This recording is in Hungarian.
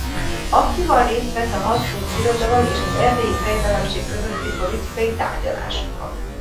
Aktívan részt vett a Habsburg Birodalom és az Erdélyi Fejedelemség közötti politikai tárgyalásokon.